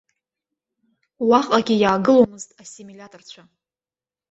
Уаҟагьы иаагыломызт ассимилиаторцәа.